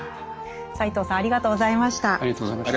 斎藤さんありがとうございました。